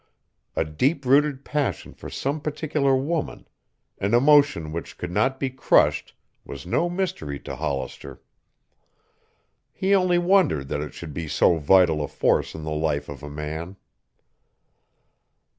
A deep rooted passion for some particular woman, an emotion which could not be crushed, was no mystery to Hollister. He only wondered that it should be so vital a force in the life of a man.